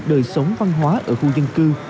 đời sống văn hóa ở khu dân cư